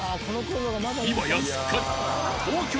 ［今やすっかり］